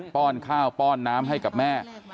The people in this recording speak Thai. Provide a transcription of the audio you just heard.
้อนข้าวป้อนน้ำให้กับแม่